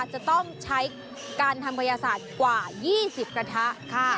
จะต้องใช้การทำกระยาศาสตร์กว่า๒๐กระทะค่ะ